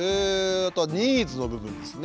あとはニーズの部分ですね。